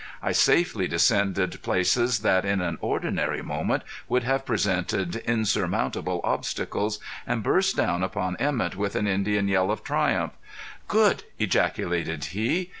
I safely descended places that in an ordinary moment would have presented insurmountable obstacles, and burst down upon Emett with an Indian yell of triumph. "Good!" ejaculated he.